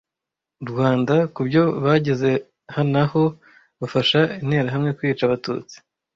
Rwanda kubyo bageze naho bafasha Interahamwe kwica abatutsi